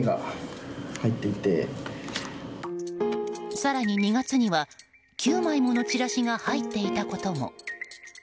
更に、２月には９枚ものチラシが入っていたことも。